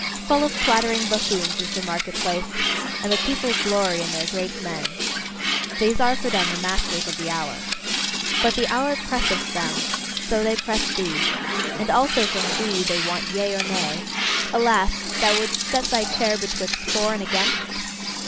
Full of clattering buffoons is the market place, and the people glory in their great men! These are for them the masters of the hour. But the hour presseth them; so they press thee. And also from thee they want Yea or Nay. Alas! thou wouldst set thy chair betwixt For and Against?